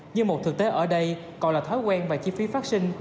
nhưng một thực tế ở đây còn là thói quen và chi phí phát sinh